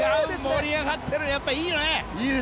盛り上がってるね、いいよね！